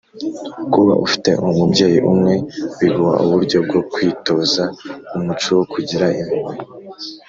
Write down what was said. Kuba ufite umubyeyi umwe biguha uburyo bwo kwitoza umuco wo kugira impuhwe